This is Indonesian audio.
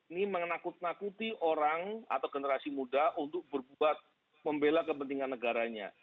ini menakut nakuti orang atau generasi muda untuk berbuat membela kepentingan negaranya